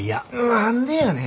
何でやねん。